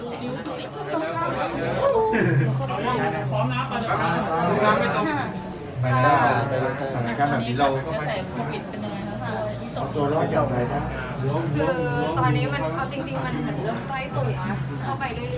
ตอนนี้มันก็จริงมันเริ่มใกล้ตัวเข้าไปด้วยด้วยแล้ว